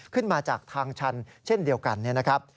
ขึ้นมาจากทางชันเช่นเดียวกันนะครับ